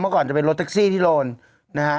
เมื่อก่อนจะเป็นรถเต็กซี่ที่โลนนะคะ